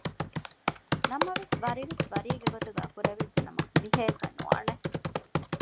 ނަމަވެސް ވަރިވެސް ވަރީގެ ގޮތުގައި ކުރެވިއްޖެ ނަމަ ވިހައަކަށް ނުވާނެ